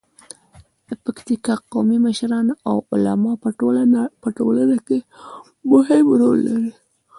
د پکتیکا قومي مشران او علما په ټولنه کې مهم رول لري.